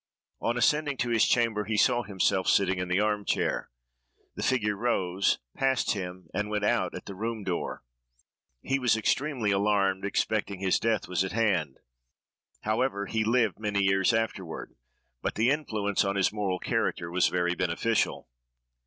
On ascending to his chamber, he saw himself sitting in the arm chair. The figure rose, passed him, and went out at the room door. He was extremely alarmed, expecting his death was at hand. He, however, lived many years afterward, but the influence on his moral character was very beneficial.